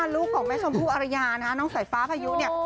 ลูกของแม่ชมพู่อรยานะคะน้องสายฟ้าพายุเนี่ย